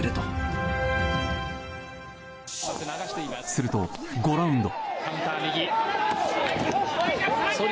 すると５ラウンド。